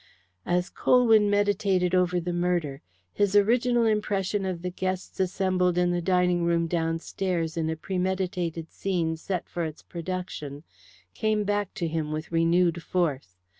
As Colwyn meditated over the murder, his original impression of the guests assembled in the dining room downstairs in a premeditated scene set for its production came back to him with renewed force.